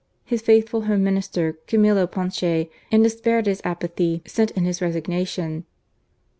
His faithful Home Minister, Camillo Ponce, in despair at his apathy, sent in his. resigna* tion.